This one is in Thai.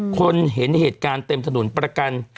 คนเห็นเหตุการณ์เต็มถนนประกัน